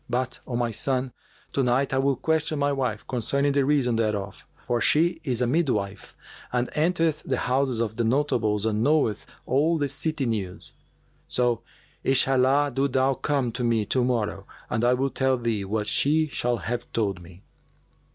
But, O my son, to night I will question my wife concerning the reason thereof, for she is a midwife and entereth the houses of the notables and knoweth all the city news. So Inshallah, do thou come to me to morrow and I will tell thee what she shall have told me."